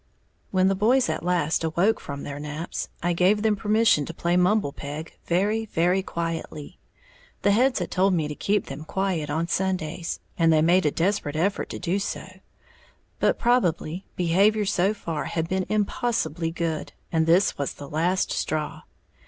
"] When the boys at last awoke from their naps, I gave them permission to play mumble peg very, very quietly the heads had told me to keep them quiet on Sundays and they made a desperate effort to do so. But probably behavior so far had been impossibly good, and this was the last straw.